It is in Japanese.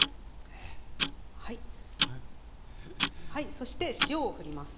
そして塩をふります。